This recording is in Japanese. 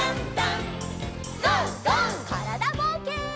からだぼうけん。